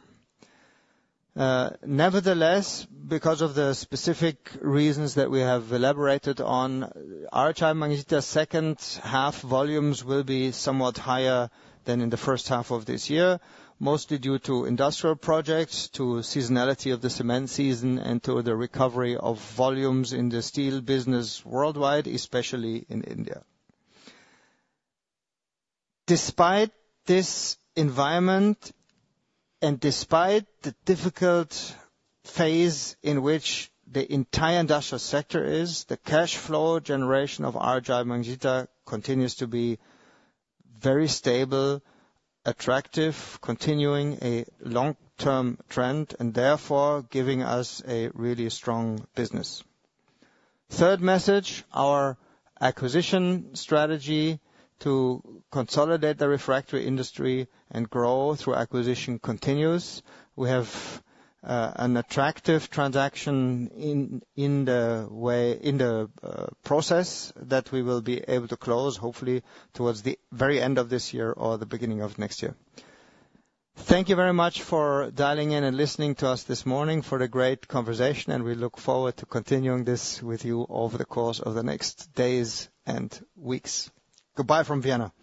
Nevertheless, because of the specific reasons that we have elaborated on, our RHI Magnesita second half volumes will be somewhat higher than in the first half of this year, mostly due to industrial projects, to the seasonality of the cement season, and to the recovery of volumes in the steel business worldwide, especially in India. Despite this environment and despite the difficult phase in which the entire industrial sector is, the cash flow generation of our RHI Magnesita continues to be very stable, attractive, continuing a long-term trend, and therefore giving us a really strong business. Third message, our acquisition strategy to consolidate the refractory industry and grow through acquisition continues. We have an attractive transaction in the process that we will be able to close, hopefully towards the very end of this year or the beginning of next year. Thank you very much for dialing in and listening to us this morning for the great conversation. We look forward to continuing this with you over the course of the next days and weeks. Goodbye from Vienna. Thank you.